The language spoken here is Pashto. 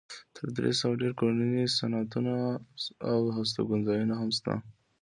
تر درې سوه ډېر کورني صنعتونه او هستوګنځایونه هم شته.